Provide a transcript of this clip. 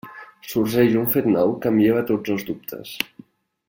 Sorgeix un fet nou que em lleva tots els dubtes.